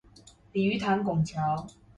鯉魚潭拱橋